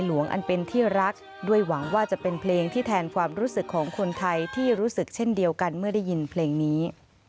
อันเป็นที่รักด้วยหวังว่าจะเป็นเพลงที่แทนความรู้สึกของคนไทยที่รู้สึกเช่นเดียวกันเมื่อได้ยินเพลงนี้